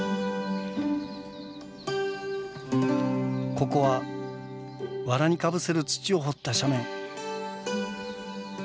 ここはわらにかぶせる土を掘った斜面。